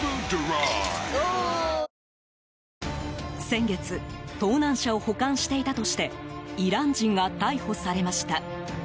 先月盗難車を保管していたとしてイラン人が逮捕されました。